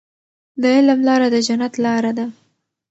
د علم لاره د جنت لاره ده.